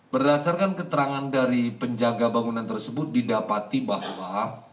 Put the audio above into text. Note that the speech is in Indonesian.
berdasarkan keterangan dari penjaga bangunan tersebut didapati bahwa